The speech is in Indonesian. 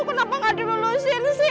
kenapa gak dilulusin sih